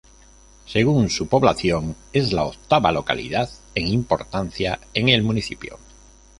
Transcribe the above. Según su población es la octava localidad en importancia en el municipio.